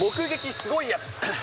すごいやつ。